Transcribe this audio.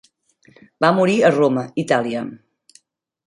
Va morir a Roma, Itàlia.